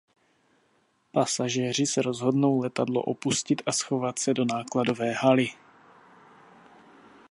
Pasažéři se rozhodnou letadlo opustit a schovat se do nákladové haly.